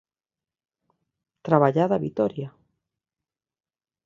Traballada vitoria.